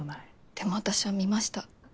でも私は見ました。